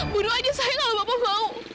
bunuh aja saya kalau bapak mau